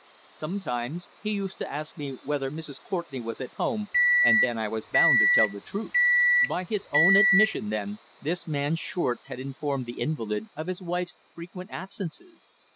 "Sometimes. He used to ask me whether Mrs. Courtenay was at home, and then I was bound to tell the truth." By his own admission then, this man Short had informed the invalid of his wife's frequent absences.